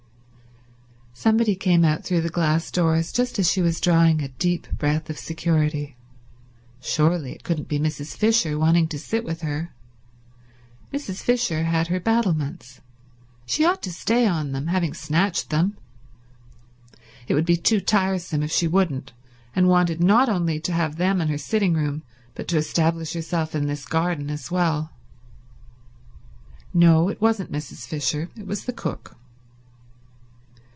Somebody came out through the glass doors, just as she was drawing a deep breath of security. Surely it couldn't be Mrs. Fisher, wanting to sit with her? Mrs. Fisher had her battlements. She ought to stay on them, having snatched them. It would be too tiresome if she wouldn't, and wanted not only to have them and her sitting room but to establish herself in this garden as well. No; it wasn't Mrs. Fisher, it was the cook.